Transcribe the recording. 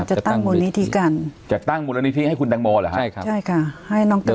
จะตั้งมูลนิธีกันจะตั้งมูลนิธีให้คุณตังโมเหรอฮะใช่ค่ะให้น้องตังโม